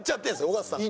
尾形さんは。